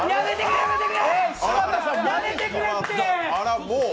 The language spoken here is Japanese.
あら？